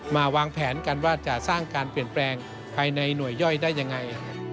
วางแผนกันว่าจะสร้างการเปลี่ยนแปลงภายในหน่วยย่อยได้ยังไง